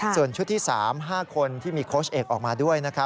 ส่วนชุดที่๓๕คนที่มีโค้ชเอกออกมาด้วย